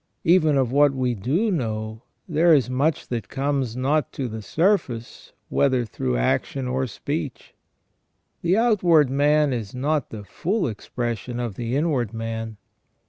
Even of what we do know, there is much that comes not to the surface whether through action or speech. The outward man is not the full expression of the inward man.